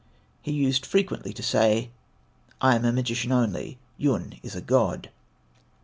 He used frequently to say, "I am a magician only; Yun is a God."